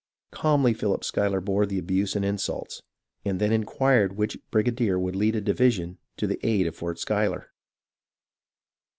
Calmly Philip Schuyler bore the abuse and insults, and then inquired which briga dier would lead a division to the aid of Fort Schuyler.